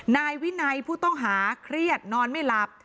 นายวินัยผู้ต้องหาเครียดนอนไม่หลับ